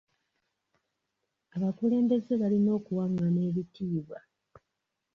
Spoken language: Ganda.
Abakulembeze balina okuwangana ebitiibwa.